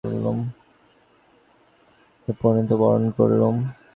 শৈলবালার গলায় পরাইয়া কহিল, আমরা দুই স্বয়ম্বরা তোমাকে আমাদের পতিরূপে বরণ করলুম।